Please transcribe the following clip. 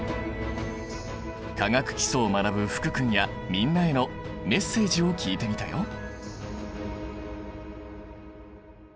化学基礎を学ぶ福君やみんなへのメッセージを聞いてみたよ。